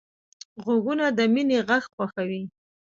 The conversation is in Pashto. غوږونه د مینې غږ خوښوي